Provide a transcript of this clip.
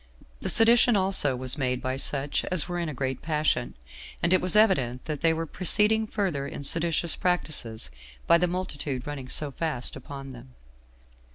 The sedition also was made by such as were in a great passion; and it was evident that they were proceeding further in seditious practices, by the multitude running so fast upon them.